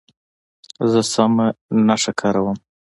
زه سمه نښه کاروم.